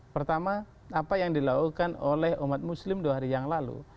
pertama apa yang dilakukan oleh umat muslim dua hari yang lalu